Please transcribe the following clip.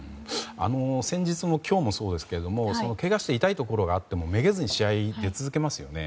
先日も、今日もそうですがけがして痛いところがあってもめげずに試合に出続けますよね。